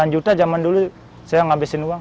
delapan juta zaman dulu saya ngabisin uang